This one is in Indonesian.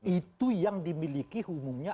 itu yang dimiliki umumnya